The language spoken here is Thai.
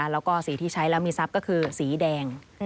แล้วก็สีที่ใช้แล้วมีทรัพย์ก็คือสีแดง